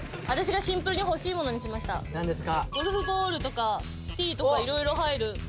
何ですか？